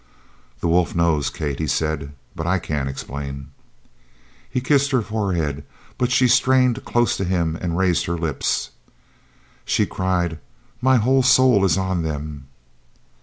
"The wolf knows, Kate," he said, "but I can't explain." He kissed her forehead, but she strained close to him and raised her lips. She cried, "My whole soul is on them."